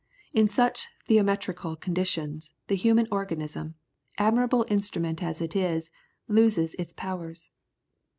In such thermetrical conditions, the human organism, admirable instrument as it is, loses its powers.